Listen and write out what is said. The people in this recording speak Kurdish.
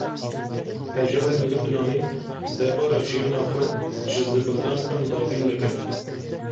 Hejarên Lubnanê debara jiyana xwe ji zibildankan dabîn dikin.